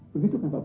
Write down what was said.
begitu kan pak